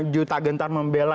juta gentar membela